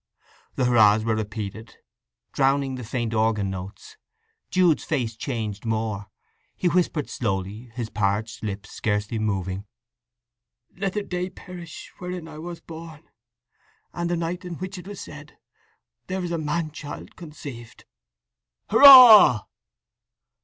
The hurrahs were repeated, drowning the faint organ notes. Jude's face changed more: he whispered slowly, his parched lips scarcely moving: "Let the day perish wherein I was born, and the night in which it was said, There is a man child conceived." ("Hurrah!")